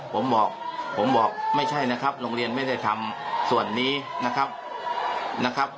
ผมบอกไม่ใช่นะครับโรงเรียนไม่ได้ทำส่วนนี้นะครับ